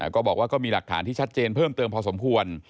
ก็มีหลักฐานที่ชัดเจนเพิ่มเติมพอสมควร